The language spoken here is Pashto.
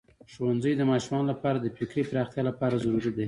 ښوونځی د ماشومانو لپاره د فکري پراختیا لپاره ضروری دی.